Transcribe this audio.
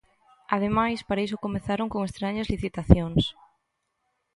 Ademais, para iso comezaron con estrañas licitacións.